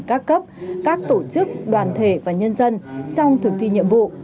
các cấp các tổ chức đoàn thể và nhân dân trong thực thi nhiệm vụ